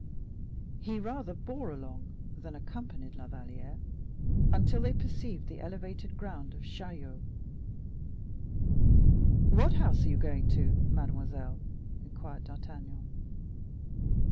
He rather bore along rather than accompanied La Valliere, until they perceived the elevated ground of Chaillot. "What house are you going to, mademoiselle?" inquired D'Artagnan.